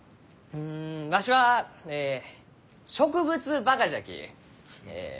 うんわしはえ植物バカじゃき。